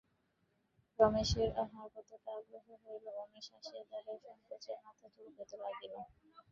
রমেশের আহার কতকটা অগ্রসর হইলে, উমেশ আসিয়া দাঁড়াইয়া সসংকোচে মাথা চুলকাইতে লাগিল।